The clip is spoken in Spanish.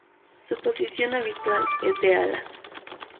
Su posición habitual es de ala.